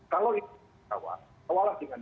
kalau dikawal kawalan dengan